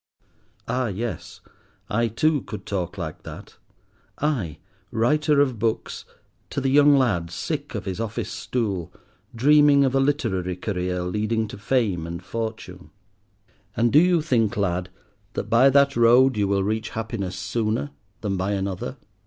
Ah, yes, I too could talk like that—I, writer of books, to the young lad, sick of his office stool, dreaming of a literary career leading to fame and fortune. "And do you think, lad, that by that road you will reach Happiness sooner than by another?